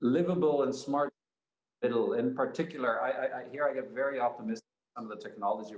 kehidupan dan kebijaksanaan yang lebih mudah terutama di sini saya sangat bersemangat dengan